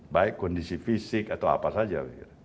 baik kondisi fisik atau apa saja